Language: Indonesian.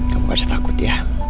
kamu gak usah takut ya